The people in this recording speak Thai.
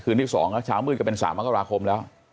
คืนที่๒แล้วฉาวมืดก็เป็น๓มกราคมแล้ว